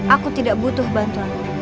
aku tidak butuh bantuan